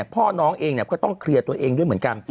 พ่อน้องเองก็ต้องเคลียร์ตัวเองด้วยเหมือนกัน